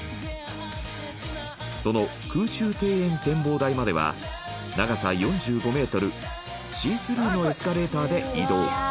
その空中庭園展望台までは長さ４５メートルシースルーのエスカレーターで移動。